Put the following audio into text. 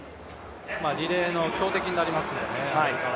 リレーの強敵になります。